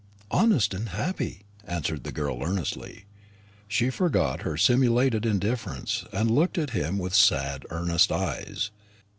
"Honest and happy," answered the girl earnestly. She forgot her simulated indifference, and looked at him with sad earnest eyes.